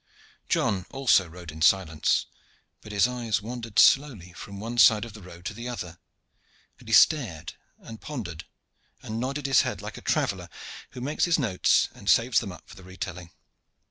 John also rode in silence, but his eyes wandered slowly from one side of the road to the other, and he stared and pondered and nodded his head like a traveller who makes his notes and saves them up for the re telling.